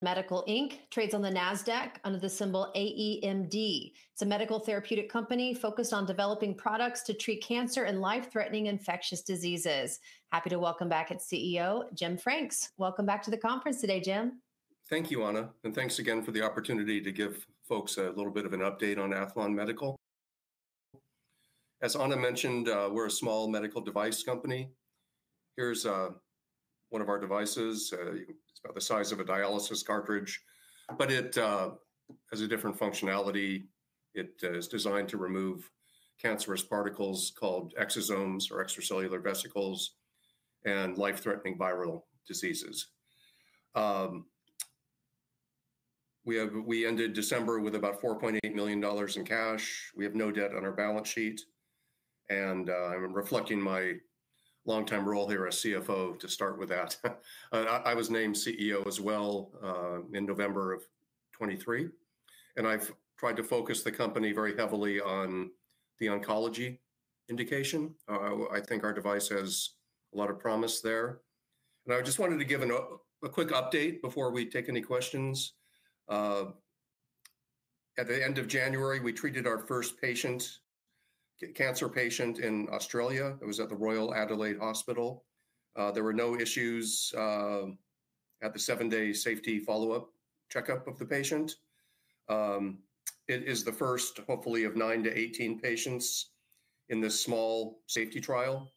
Aethlon Medical trades on the Nasdaq under the symbol AEMD. It's a medical therapeutic company focused on developing products to treat cancer and life-threatening infectious diseases. Happy to welcome back its CEO, Jim Frakes. Welcome back to the conference today, Jim. Thank you, Anna, and thanks again for the opportunity to give folks a little bit of an update on Aethlon Medical. As Anna mentioned, we're a small medical device company. Here's one of our devices. It's about the size of a dialysis cartridge, but it has a different functionality. It is designed to remove cancerous particles called exosomes or extracellular vesicles and life-threatening viral diseases. We ended December with about $4.8 million in cash. We have no debt on our balance sheet, and I'm reflecting my longtime role here as CFO to start with that. I was named CEO as well in November of 2023, and I've tried to focus the company very heavily on the oncology indication. I think our device has a lot of promise there. I just wanted to give a quick update before we take any questions. At the end of January, we treated our first patient, cancer patient in Australia. It was at the Royal Adelaide Hospital. There were no issues at the seven-day safety follow-up checkup of the patient. It is the first, hopefully, of 9-18 patients in this small safety trial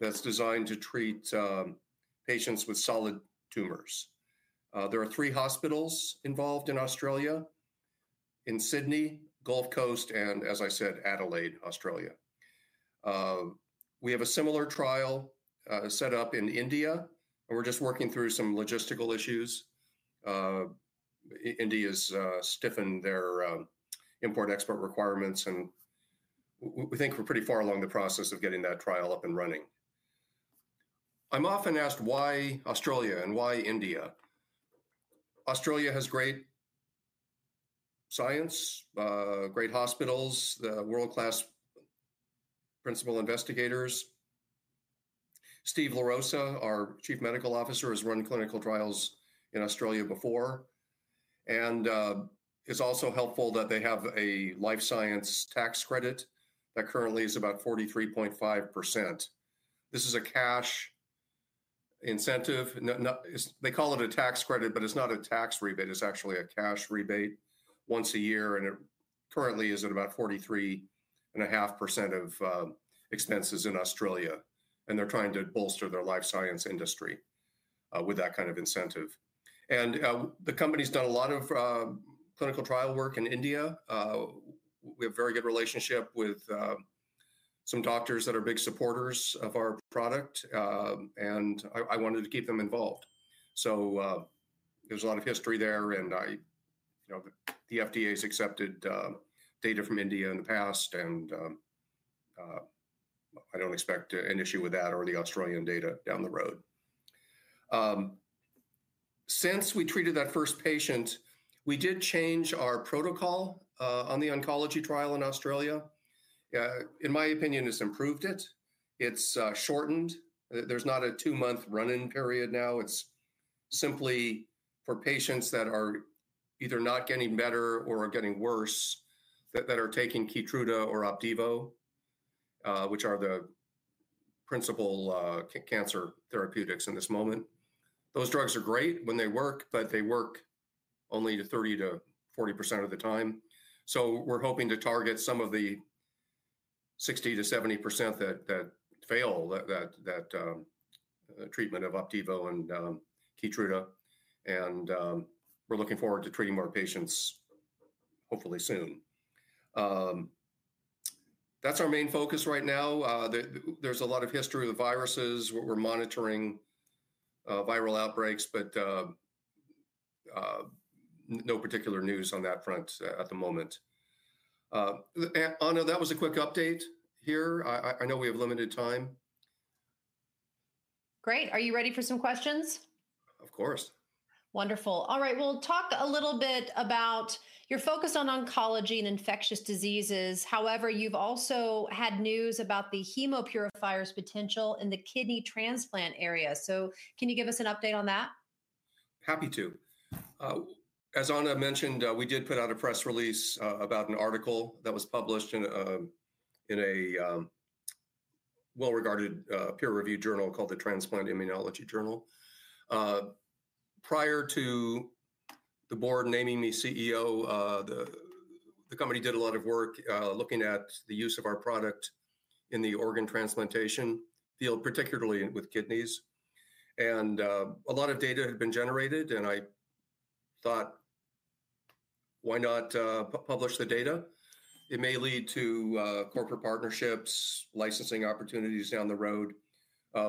that's designed to treat patients with solid tumors. There are three hospitals involved in Australia: in Sydney, Gold Coast, and, as I said, Adelaide, Australia. We have a similar trial set up in India, and we're just working through some logistical issues. India has stiffened their import-export requirements, and we think we're pretty far along the process of getting that trial up and running. I'm often asked why Australia and why India. Australia has great science, great hospitals, world-class principal investigators. Steve Larosa, our Chief Medical Officer, has run clinical trials in Australia before, and it's also helpful that they have a life science tax credit that currently is about 43.5%. This is a cash incentive. They call it a tax credit, but it's not a tax rebate. It's actually a cash rebate once a year, and it currently is at about 43.5% of expenses in Australia. They're trying to bolster their life science industry with that kind of incentive. The company's done a lot of clinical trial work in India. We have a very good relationship with some doctors that are big supporters of our product, and I wanted to keep them involved. There's a lot of history there, and the FDA has accepted data from India in the past, and I don't expect an issue with that or the Australian data down the road. Since we treated that first patient, we did change our protocol on the oncology trial in Australia. In my opinion, it's improved it. It's shortened. There's not a two-month run-in period now. It's simply for patients that are either not getting better or getting worse, that are taking Keytruda or Opdivo, which are the principal cancer therapeutics in this moment. Those drugs are great when they work, but they work only 30-40% of the time. We're hoping to target some of the 60-70% that fail that treatment of Opdivo and Keytruda, and we're looking forward to treating more patients, hopefully soon. That's our main focus right now. There's a lot of history of the viruses. We're monitoring viral outbreaks, but no particular news on that front at the moment. Anna, that was a quick update here. I know we have limited time. Great. Are you ready for some questions? Of course. Wonderful. All right. We'll talk a little bit about your focus on oncology and infectious diseases. However, you've also had news about the Hemopurifier's potential in the kidney transplant area. Can you give us an update on that? Happy to. As Anna mentioned, we did put out a press release about an article that was published in a well-regarded peer-reviewed journal called the Transplant Immunology Journal. Prior to the board naming me CEO, the company did a lot of work looking at the use of our product in the organ transplantation field, particularly with kidneys. A lot of data had been generated, and I thought, why not publish the data? It may lead to corporate partnerships, licensing opportunities down the road.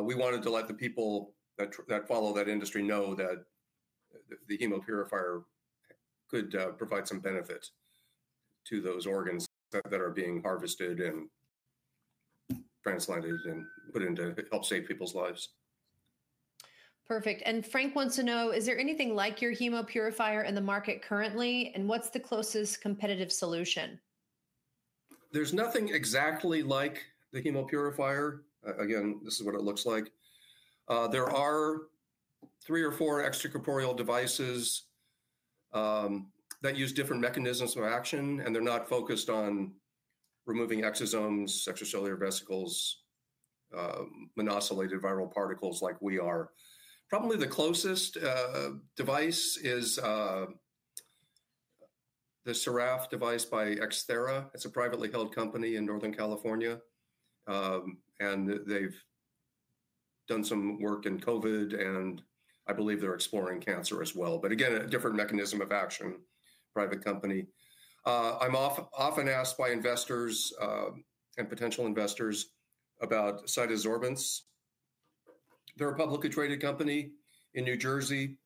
We wanted to let the people that follow that industry know that the Hemopurifier could provide some benefit to those organs that are being harvested and transplanted and put in to help save people's lives. Perfect. Frank wants to know, is there anything like your Hemopurifier in the market currently, and what's the closest competitive solution? There's nothing exactly like the Hemopurifier. Again, this is what it looks like. There are three or four extracorporeal devices that use different mechanisms of action, and they're not focused on removing exosomes, extracellular vesicles, monocylated viral particles like we are. Probably the closest device is the Siraf device by Xthera. It's a privately held company in Northern California, and they've done some work in COVID, and I believe they're exploring cancer as well. Again, a different mechanism of action, private company. I'm often asked by investors and potential investors about CytoSorbents. They're a publicly traded company in New Jersey.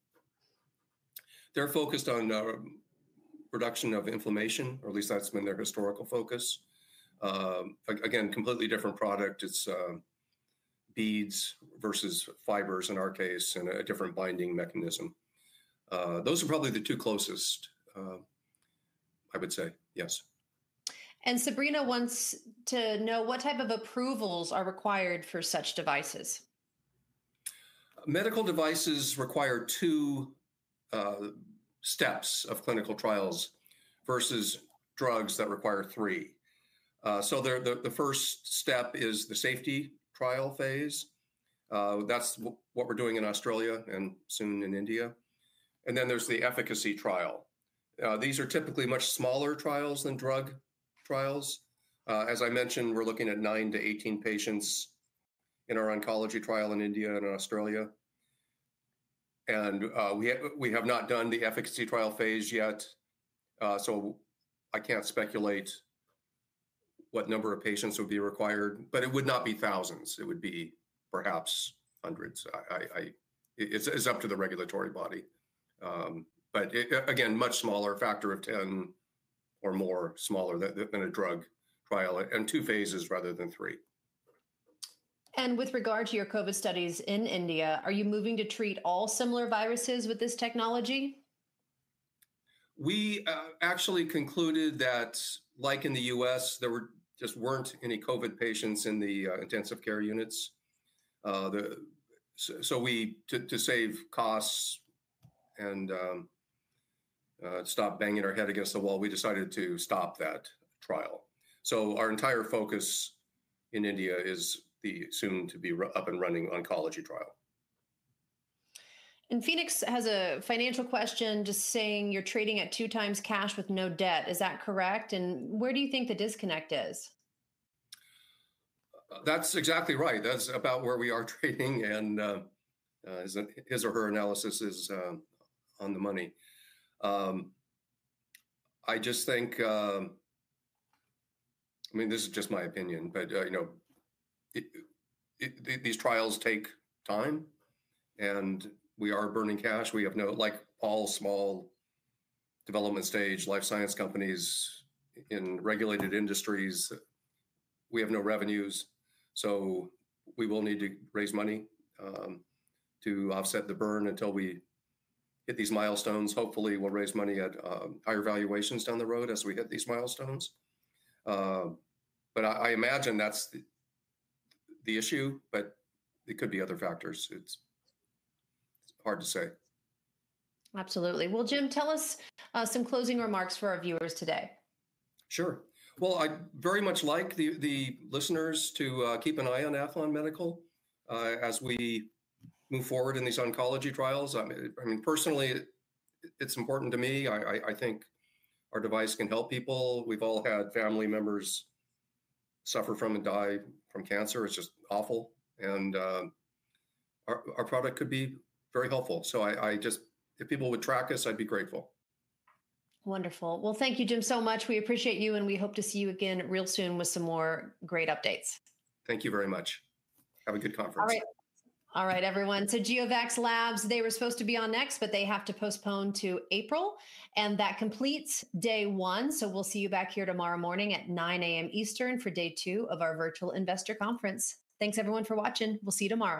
They're focused on production of inflammation, or at least that's been their historical focus. Again, completely different product. It's beads versus fibers in our case and a different binding mechanism. Those are probably the two closest, I would say. Yes. Sabrina wants to know what type of approvals are required for such devices. Medical devices require two steps of clinical trials versus drugs that require three. The first step is the safety trial phase. That's what we're doing in Australia and soon in India. Then there's the efficacy trial. These are typically much smaller trials than drug trials. As I mentioned, we're looking at 9-18 patients in our oncology trial in India and in Australia. We have not done the efficacy trial phase yet, so I can't speculate what number of patients would be required, but it would not be thousands. It would be perhaps hundreds. It's up to the regulatory body. Again, much smaller, a factor of 10 or more smaller than a drug trial and two phases rather than three. With regard to your COVID studies in India, are you moving to treat all similar viruses with this technology? We actually concluded that, like in the U.S., there just weren't any COVID patients in the intensive care units. To save costs and stop banging our head against the wall, we decided to stop that trial. Our entire focus in India is the soon-to-be-up-and-running oncology trial. Phoenix has a financial question just saying you're trading at two times cash with no debt. Is that correct? Where do you think the disconnect is? That's exactly right. That's about where we are trading, and his or her analysis is on the money. I just think, I mean, this is just my opinion, but these trials take time, and we are burning cash. We have no, like all small development stage life science companies in regulated industries, we have no revenues. We will need to raise money to offset the burn until we hit these milestones. Hopefully, we'll raise money at higher valuations down the road as we hit these milestones. I imagine that's the issue, but it could be other factors. It's hard to say. Absolutely. Jim, tell us some closing remarks for our viewers today. Sure. I’d very much like the listeners to keep an eye on Aethlon Medical as we move forward in these oncology trials. I mean, personally, it’s important to me. I think our device can help people. We’ve all had family members suffer from and die from cancer. It’s just awful. And our product could be very helpful. If people would track us, I’d be grateful. Wonderful. Thank you, Jim, so much. We appreciate you, and we hope to see you again real soon with some more great updates. Thank you very much. Have a good conference. All right. All right, everyone. GeoVax Labs, they were supposed to be on next, but they have to postpone to April. That completes day one. We'll see you back here tomorrow morning at 9:00 A.M. Eastern for day two of our virtual investor conference. Thanks, everyone, for watching. We'll see you tomorrow.